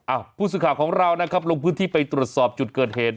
ผู้สื่อข่าวของเรานะครับลงพื้นที่ไปตรวจสอบจุดเกิดเหตุ